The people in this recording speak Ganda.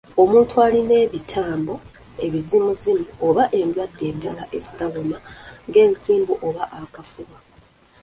Omuntu alina ebitambo, ebizimuzimu oba endwadde endala ezitawona ng’ensimbu oba akafuba.